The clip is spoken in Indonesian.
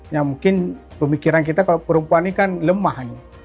ya mungkin pemikiran kita kalau perempuan ini kan lemah